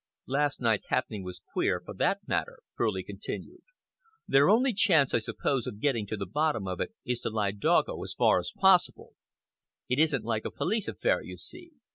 "Last night's happening was queer, for that matter," Furley continued. "Their only chance, I suppose, of getting to the bottom of it is to lie doggo as far as possible. It isn't like a police affair, you see.